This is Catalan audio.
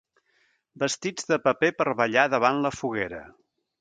Vestits de paper per ballar davant la foguera.